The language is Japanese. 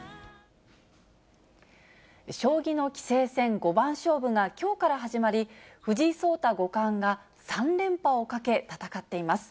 将棋の棋聖戦五番勝負がきょうから始まり、藤井聡太五冠が３連覇をかけ戦っています。